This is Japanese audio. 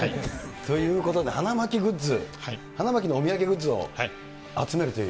ということで、花巻グッズ、花巻のお土産グッズを集めるという。